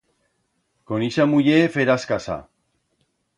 Con ixa muller, ferás casa.